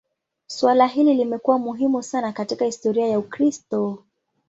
Suala hili limekuwa muhimu sana katika historia ya Ukristo.